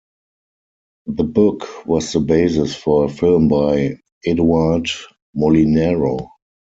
The book was the basis for a film by Edouard Molinaro.